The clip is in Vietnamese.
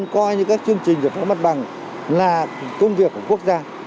coi như các chương trình giải phóng mặt bằng là công việc của quốc gia